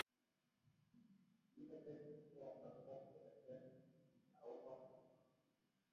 Kinetech mestowot akobo kereten ako nyalunot